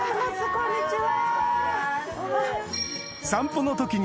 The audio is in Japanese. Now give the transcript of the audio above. こんにちは。